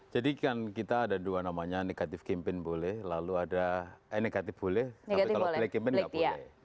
jadi kan kita ada dua namanya negatif kimpin boleh lalu ada eh negatif boleh tapi kalau kimpin nggak boleh